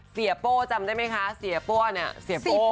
โป้จำได้ไหมคะเสียโป้เนี่ยเสียโป้